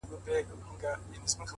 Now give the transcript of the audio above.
د چینار سر ته یې ورسیږي غاړه!.